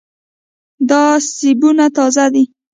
دا سیبونه تازه دي.